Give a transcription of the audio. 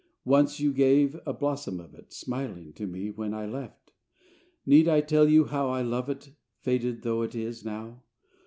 Once you gave a blossom of it, Smiling, to me when I left: Need I tell you how I love it Faded though it is now!